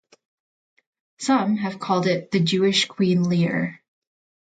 Some have called it "the Jewish Queen Lear".